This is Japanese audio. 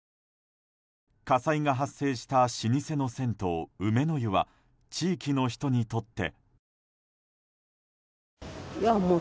火災が発生した老舗の銭湯梅の湯は地域の人にとって。